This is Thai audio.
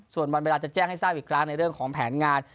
ส่วนวันเวลาจะแจ้งให้ทราบอีกครั้งในเรื่องของแผนงาน